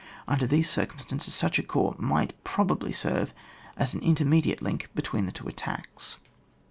Under these circumstances, such a corps might pro bably serve as an intermediate link be tween the two attacks.